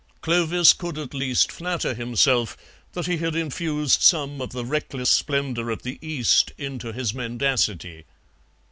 Clovis could at least flatter himself that he had infused some of the reckless splendour of the East into his mendacity.